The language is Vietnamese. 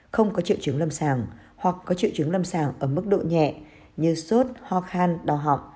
không có triệu chứng lâm sàng hoặc có triệu chứng lâm sàng ở mức độ nhẹ như sốt ho khan đau họng